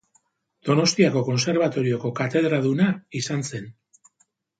Donostiako Kontserbatorioko katedraduna izan zen.